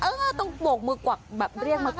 เออต้องโบกมือกว่าแบบเรียกมาก